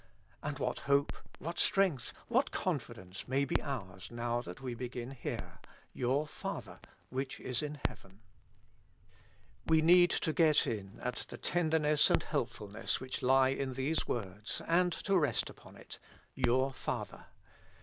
And what hope, what strength, what confi dence, may be ours now that we begin here, your Father which is ifi heaven / We need to get in at the tenderness and helpful ness which lie in these words, and to rest upon it— your Father.